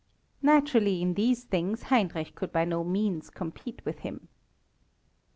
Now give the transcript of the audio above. Naturally, in these things Heinrich could by no means compete with him.